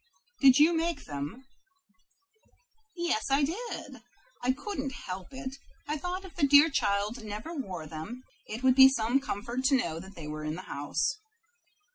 "Did you make them?" "Yes, I did. I couldn't help it. I thought if the dear child never wore them, it would be some comfort to know they were in the house."